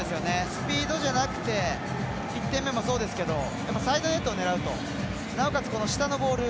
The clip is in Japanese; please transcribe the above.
スピードじゃなくて１点目もそうですけどサイドネットを狙うとなおかつ下のボール